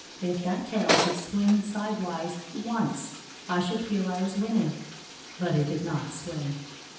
If that tail should swing sidewise once I should feel I was winning; but it did not swing.